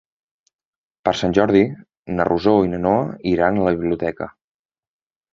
Per Sant Jordi na Rosó i na Noa iran a la biblioteca.